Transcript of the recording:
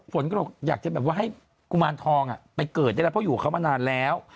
ฝนให้กุมารทองไปเกิดได้แล้วเพราะอยู่กับเขามานานแล้ว